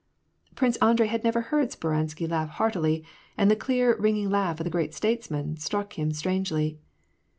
Prince Andrei dd never heard Speransky laugh heartily, and the clear, ring ing laugh of the great statesman struck him strangely.